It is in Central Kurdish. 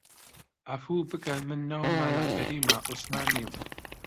عەفوو بکەن من ناوم مەلا کەریمە، عوسمان نیم